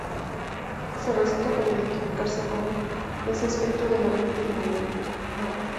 Se recita para identificarse con ese aspecto de la mente iluminada.